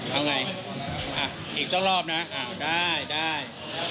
เอาไงอ่าอีกสองรอบนะอ่าได้ได้